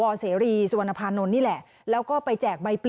โอเคครับวิรากันครับผม